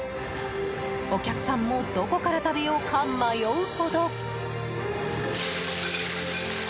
お客さんもどこから食べようか迷うほど。